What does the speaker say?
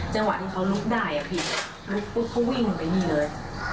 จังหวะที่เขาลุกได้ผิดลุกเขาวิ่งไปนี่เลย